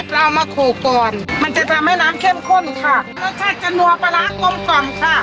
เราเอามาโขกก่อนมันจะทำให้น้ำเข้มข้นค่ะรสชาติจะนัวปลาร้ากลมกล่อมค่ะ